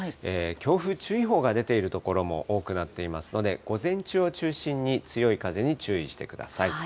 強風注意報が出ている所も多くなっていますので、午前中を中心に、強い風に注意してください。